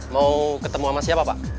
mau ketemu sama siapa pak